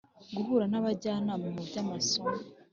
Guhura n abajyanama mu by amasomo